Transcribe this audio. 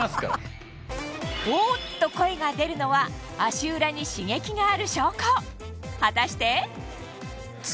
「おぉ」っと声が出るのは足裏に刺激がある証拠果たして？